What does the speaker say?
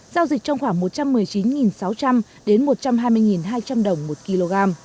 giao dịch trong khoảng một trăm một mươi chín sáu trăm linh đến một trăm hai mươi hai trăm linh đồng một kg